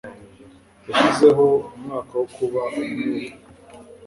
Yashyizeho umwuka wo kuba umwere.